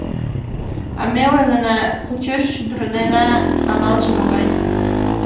А ме ойлена: почеш шӱдырнена — амалже могай?